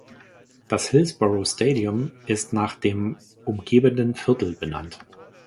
Das Hillsborough Stadium ist nach dem umgebenden Viertel benannt.